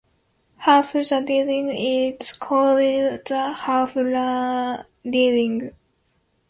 Half the leading is called the half-leading.